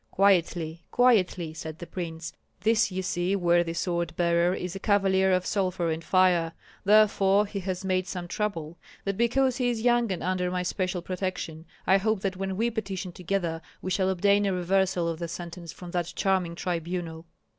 "Quietly, quietly!" said the prince. "This you see, worthy sword bearer, is a cavalier of sulphur and fire, therefore he has made some trouble; but because he is young and under my special protection, I hope that when we petition together we shall obtain a reversal of the sentence from that charming tribunal."